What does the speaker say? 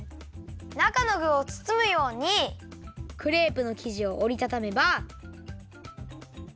なかのぐをつつむようにクレープのきじをおりたためば。